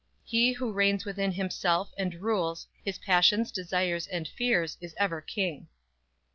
_He, who reigns within himself, and rules His passions, desires and fears, is ever King!